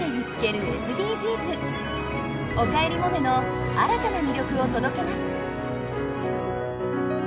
「おかえりモネ」の新たな魅力を届けます。